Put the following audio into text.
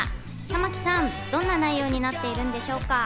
玉木さん、どんな内容になっているんでしょうか？